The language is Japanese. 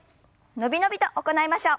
伸び伸びと行いましょう。